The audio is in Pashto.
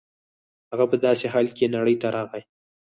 هغه په داسې حال کې نړۍ ته راغی